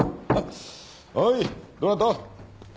はいどなた？